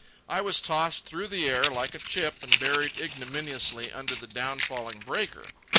I was tossed through the air like a chip and buried ignominiously under the downfalling breaker.